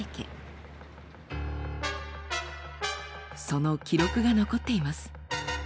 その記録が残っています。